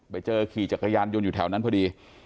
ไปเจอขี่จักรยานยนต์อยู่แถวนั้นพอดี